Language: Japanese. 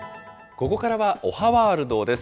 ここからはおはワールドです。